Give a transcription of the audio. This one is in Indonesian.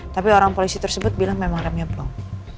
tapi orang polisi tersebut bilang memang remnya blong